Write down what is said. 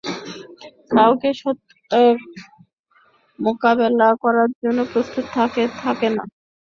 কেউই সত্যটা মোকাবেলা করার জন্য প্রস্তুত থাকে না।